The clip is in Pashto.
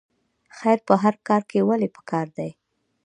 خیر په هر کار کې ولې پکار دی؟